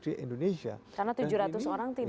di indonesia karena tujuh ratus orang tidak